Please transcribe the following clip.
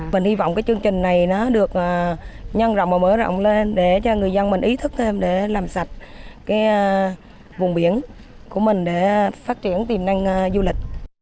mình hy vọng cái chương trình này nó được nhân rộng và mở rộng lên để cho người dân mình ý thức thêm để làm sạch cái vùng biển của mình để phát triển tiềm năng du lịch